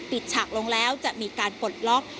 ปิดฉากลงแล้วจะมีการกดล็อค